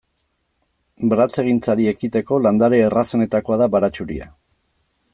Baratzegintzari ekiteko landare errazenetakoa da baratxuria.